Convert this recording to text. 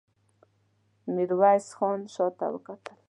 ميرويس خان شاته وکتل.